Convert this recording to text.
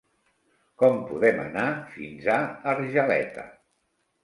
Com podem anar fins a Argeleta?